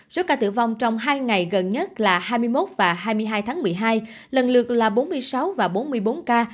số ca tử vong trong hai ngày gần nhất là hai mươi một và hai mươi hai tháng một mươi hai lần lượt là bốn mươi sáu và bốn mươi bốn ca